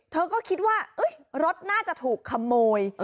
เธอก็คิดว่ารถน่าจะถูกขโมย